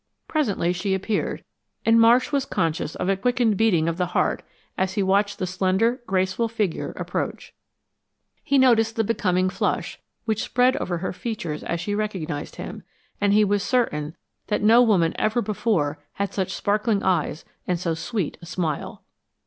Presently she appeared, and Marsh was conscious of a quickened beating of the heart as he watched the slender, graceful figure approach. He noted the becoming flush, which spread over her features as she recognized him, and he was certain that no woman ever before had such sparkling eyes and so sweet a smile.